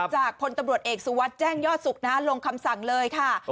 พลตำรวจเอกสุวัสดิ์แจ้งยอดสุขลงคำสั่งเลยค่ะ